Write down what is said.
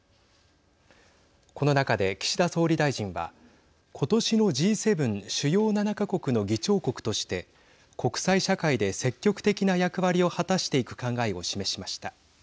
この中で岸田総理大臣は今年のＧ７＝主要７か国の議長国として国際社会で積極的な役割を果たしていく考えを示しました。